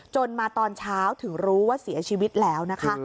มาตอนเช้าถึงรู้ว่าเสียชีวิตแล้วนะคะ